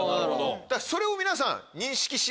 それを皆さん。